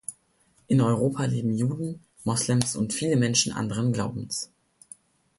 In Europa leben Juden, Moslems und viele Menschen anderen Glaubens.